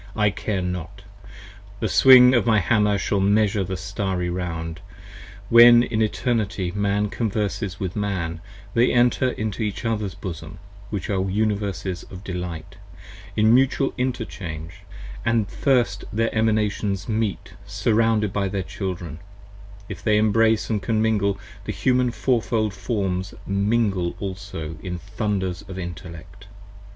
I care not! the swing of my Hammer shall measure the starry round. When in Eternity Man converses with Man they enter Into each others Bosom (which are Universes of delight) 5 In mutual interchange, and first their Emanations meet Surrounded by their Children: if they embrace & comingle The Human Four fold Forms mingle also in thunders of Intellect.